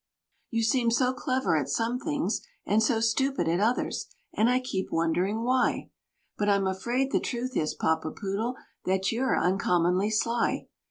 You seem so clever at some things, and so stupid at others, and I keep wondering why; But I'm afraid the truth is, Papa Poodle, that you're uncommonly sly.